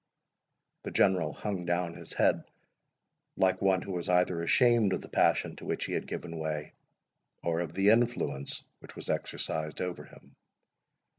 The General hung down his head, like one who was either ashamed of the passion to which he had given way, or of the influence which was exercised over him.